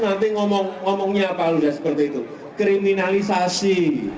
nanti ngomongnya apa udah seperti itu kriminalisasi